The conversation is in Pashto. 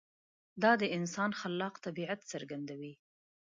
دا د انسان خلاق طبیعت څرګندوي.